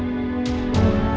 gimana kita akan menikmati rena